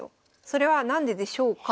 それは何ででしょうか。